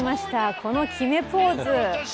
この決めポーズ。